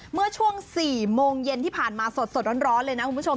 เมื่อช่วง๔โมงเย็นที่ผ่านมาสดร้อนเลยนะคุณผู้ชม